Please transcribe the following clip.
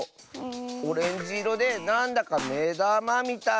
オレンジいろでなんだかめだまみたいな。